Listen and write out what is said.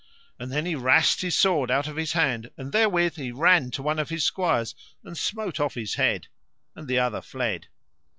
And then he wrast his sword out of his hand, and therewith he ran to one of his squires and smote off his head, and the other fled.